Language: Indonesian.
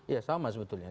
ya sama sebetulnya